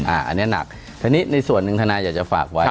อันนี้หนักทีนี้ในส่วนหนึ่งทนายอยากจะฝากไว้